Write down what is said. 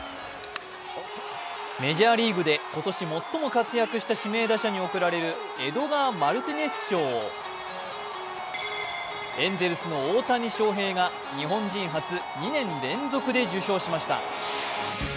メジャーリーグで今年最も活躍した指名打者に贈られるエドガー・マルティネス賞をエンゼルスの大谷翔平が日本人初２年連続で受賞しました。